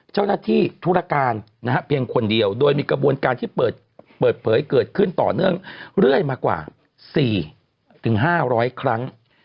เจ้าหน้าที่ธุรการเพียงคนเดียวโดยมีกระบวนการที่เปิดเผยเกิดขึ้นต่อเรื่อยมากว่า๔๕๐๐ครั้ง